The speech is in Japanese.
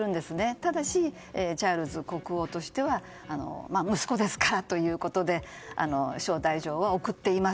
ただし、チャールズ国王としては息子ですからということで招待状は送っています。